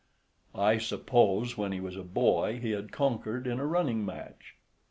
I suppose, when he was a boy, he had conquered in a running match.